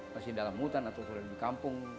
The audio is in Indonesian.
masih dalam hutan ataupun di kampung